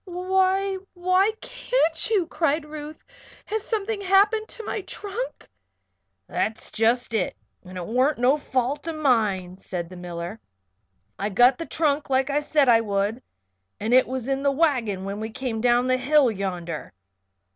"Why why can't you?" cried Ruth. "Has something happened to my trunk?" "That's jest it and it warn't no fault o' mine," said the miller. "I got the trunk like I said I would and it was in the wagon when we came down the hill yonder.